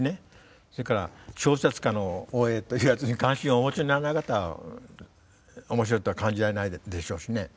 それから小説家の大江というやつに関心をお持ちにならない方は面白いとは感じられないでしょうしね